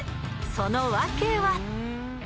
その訳は。